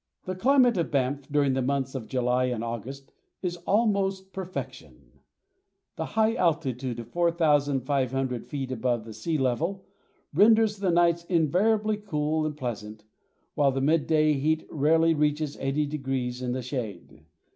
] The climate of Banff during the months of July and August is almost perfection. The high altitude of 4500 feet above the sea level renders the nights invariably cool and pleasant, while the mid day heat rarely reaches 80° in the shade.